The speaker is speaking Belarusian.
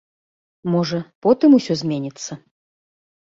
Можа, потым усё зменіцца.